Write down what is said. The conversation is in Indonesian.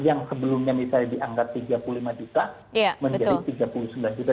yang sebelumnya misalnya dianggap tiga puluh lima juta menjadi tiga puluh sembilan juta